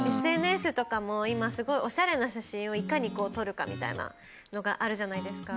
ＳＮＳとかも今すごいおしゃれな写真をいかに撮るかみたいなのがあるじゃないですか。